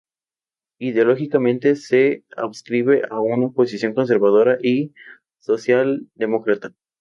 Ideológicamente se adscribe a una posición conservadora y socialdemócrata.